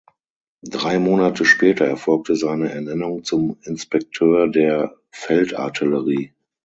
Drei Monate später erfolgte seine Ernennung zum Inspekteur der Feldartillerie.